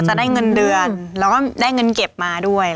จะได้เงินเดือนแล้วก็ได้เงินเก็บมาด้วย